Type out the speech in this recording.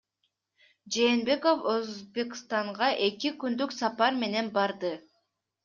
Жээнбеков Өзбекстанга эки күндүк сапар менен барды.